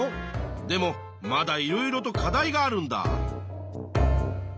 でもまだいろいろと課題があるんだ。